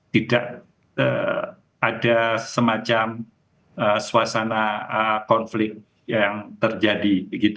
tidak ada semacam suasana konflik yang terjadi